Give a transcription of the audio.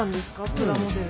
プラモデル。